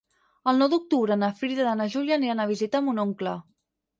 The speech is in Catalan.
El nou d'octubre na Frida i na Júlia aniran a visitar mon oncle.